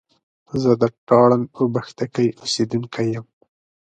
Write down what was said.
زه د تارڼ اوبښتکۍ اوسېدونکی يم